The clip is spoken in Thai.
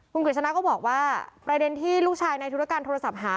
คุณกฤษณะก็บอกว่าประเด็นที่ลูกชายในธุรการโทรศัพท์หา